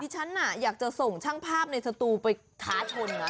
ฉันอยากจะส่งช่างภาพในสตูไปท้าชนนะ